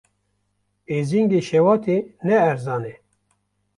Êzingê şewatê ne erzan e.